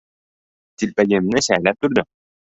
Telpagimni shaylab turdim.